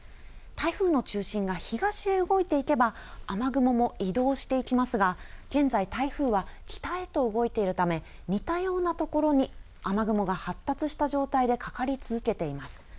台風の中心が東へ動いていけば、雨雲も移動していきますが、現在、台風は北へと動いているため、似たような所に雨雲が発達した状態でかかり続けています。